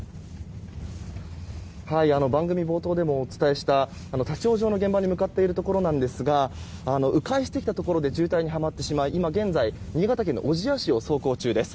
番組冒頭でもお伝えした立ち往生の現場に向かっているところなんですが迂回してきたところで渋滞にはまってしまい今現在、新潟県の小千谷市を走行中です。